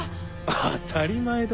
当たり前だ。